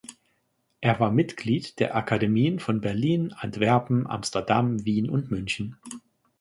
Er war Mitglied der Akademien von Berlin, Antwerpen, Amsterdam, Wien und München.